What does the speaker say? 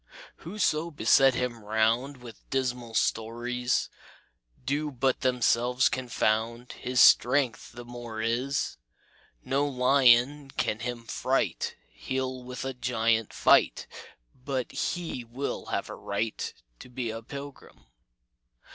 "Whoso beset him round With dismal stories, Do but themselves confound His strength the more is. No lion can him fright; He'll with a giant fight, But he will have a right To be a pilgrim.